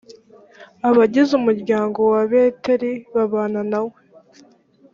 abagize umuryango wa beteli babana nawe.